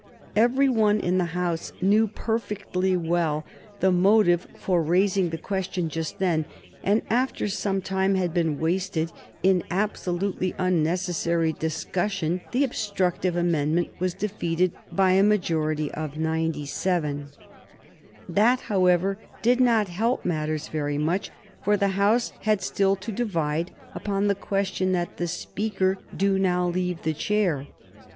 Every one in the House knew perfectly well the motive for raising the question just then, and after some time had been wasted in absolutely unnecessary discussion the obstructive amendment was defeated by a majority of 97. That, however, did not help matters very much, for the House had still to divide upon the question that the Speaker do now leave the chair.